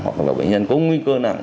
hoặc là bệnh nhân có nguy cơ nặng